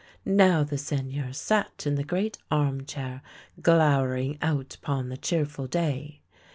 Now the Seigneur sat in the great arm chair glower ing out upon the cheerful day.